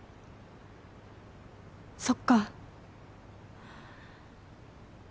そっか